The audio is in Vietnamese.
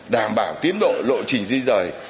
đảm bảo tiến độ lộ trình di rời